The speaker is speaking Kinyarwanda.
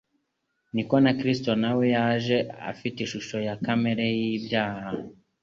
niko na Kristo na we «yaje afite ishusho ya kamere y'ibyaha'. »